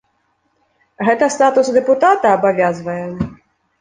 Гэта статус дэпутата абавязвае?